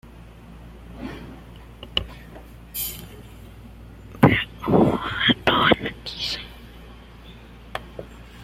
Pero Hua Tuo no quiso.